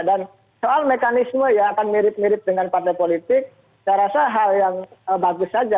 dan soal mekanisme ya akan mirip mirip dengan partai politik saya rasa hal yang bagus saja